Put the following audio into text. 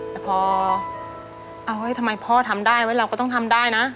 แต่พอเอาเฮ้ยทำไมพ่อทำได้ไว้เราก็ต้องทำได้นะ